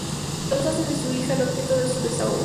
Los dos hacen de su hija el objeto de su desahogo.